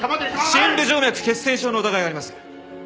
深部静脈血栓症の疑いがあります。